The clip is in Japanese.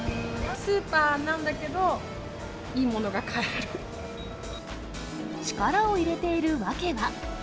スーパーなんだけど、力を入れている訳は。